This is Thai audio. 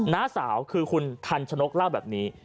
น้าสาวคือคุณทันชนกเล่าแบบนี้